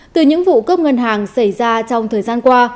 từ những vụ cướp ngân hàng xảy ra trong thời gian qua